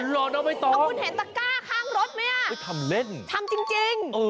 รอนะไม่ต้องไม่ทำเล่นเอาคุณเห็นตะกร้าข้างรถไหมทำจริง